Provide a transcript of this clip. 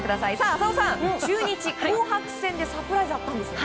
浅尾さん、中日紅白戦でサプライズがあったんですね。